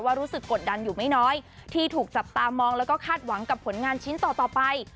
รู้สึกกดดันอยู่ไม่น้อยที่ถูกจับตามองแล้วก็คาดหวังกับผลงานชิ้นต่อไป